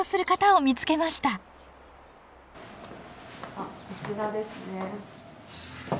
あっこちらですね。